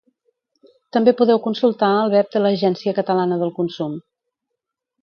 També podeu consultar el web de l'Agència Catalana del Consum.